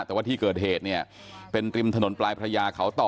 แต่ว่าที่เกิดเหตุเนี่ยเป็นริมถนนปลายพระยาเขาต่อ